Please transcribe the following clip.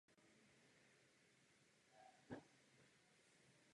Tato dynamická vazba nastává mezi dvěma elektrony a vytvoří se tak vázaný pár elektronů.